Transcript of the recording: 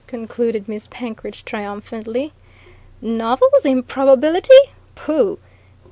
concluded Miss Penkridge triumphantly. "Novels Improbability pooh!